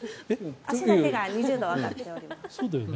足だけが２０度上がっております。